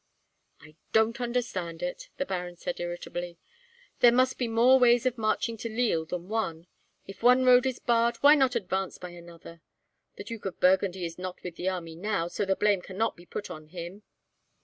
"I don't understand it," the baron said, irritably. "There must be more ways of marching to Lille than one. If one road is barred, why not advance by another? The Duke of Burgundy is not with the army now, so the blame cannot be put on him."